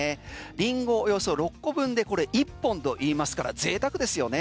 リンゴジュースを６個分でこれ１本といいますから贅沢ですよね。